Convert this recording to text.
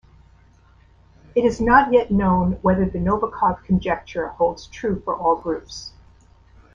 It is not yet known whether the Novikov conjecture holds true for all groups.